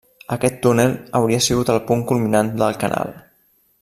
Aquest túnel hauria sigut el punt culminant del canal.